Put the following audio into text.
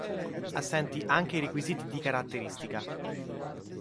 Assenti anche i requisiti di caratteristica.